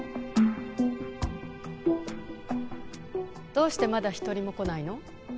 どうしてまだ一人も来ないの？